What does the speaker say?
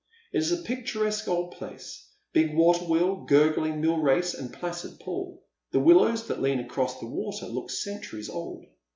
It is a picturesque old place, big water wheel, gurgling mill race, and placid pool. The willows that lean across the water look centuries old.